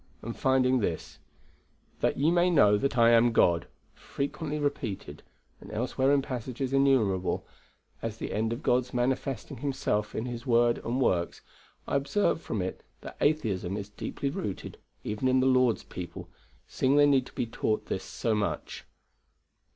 and finding this, 'That ye may know that I am God' frequently repeated, and elsewhere in passages innumerable, as the end of God's manifesting Himself in His word and works; I observe from it that atheism is deeply rooted even in the Lord's people, seeing they need to be taught this so much.